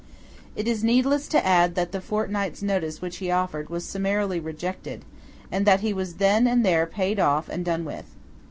It is needless to add that the fortnight's notice which he offered was summarily rejected, and that he was then and there paid off and done with.